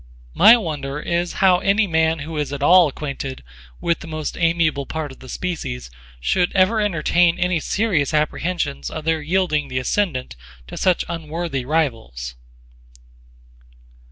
My wonder is how any man who is at all acquainted with the most amiable part of the species should ever entertain any serious apprehensions of their yielding the ascendant to such unworthy rivals.